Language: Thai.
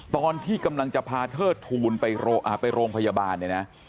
ตอนที่กำลังจะพาเทิดทูลไปโรงพยาบาลเนี่ยนะ